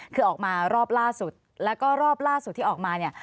คือออกมารอบล่าสุดแล้วก็รอบล่าสุดที่ออกมาเนี่ย